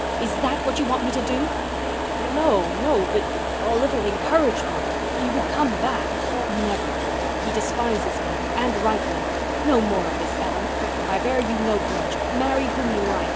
Is that what you want me to do?" "No—no—but a little—encouragement—he would come back—" "Never. He despises me—and rightly. No more of this, Ellen. I bear you no grudge—marry whom you like.